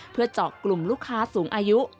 เพื่อเจาะกลุ่มลูกค้าสูงอายุ